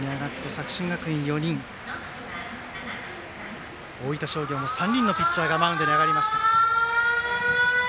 作新学院、４人大分商業も３人のピッチャーがマウンドに上がりました。